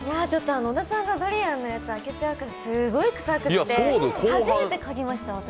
小田さんがドリアンのやつ開けちゃったからすごいくさくて初めて嗅ぎました、私。